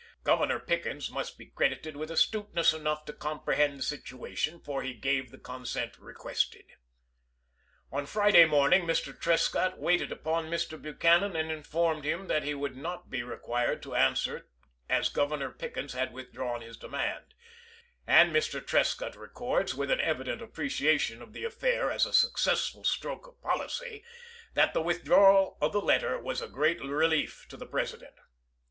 Governor Pickens must be credited with astuteness enough to comprehend the situa tion, for he gave the consent requested. On Friday morning Mr. Trescott waited upon Mr. Buchanan and informed him that he would not be required to answer as Governor Pickens had withdrawn his demand ; and Mr. Trescott records, with an evident appreciation of the affair as a successful stroke of policy, that "the withdrawal of the letter was a great relief to the President."